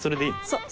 そう。